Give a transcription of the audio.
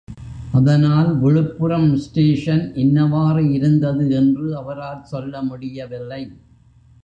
அதனால் விழுப்புரம் ஸ்டேஷன் இன்னவாறு இருந்தது என்று அவரால் சொல்ல முடியவில்லை.